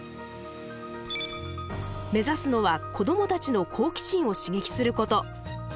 目指すのは子どもたちの好奇心を刺激すること。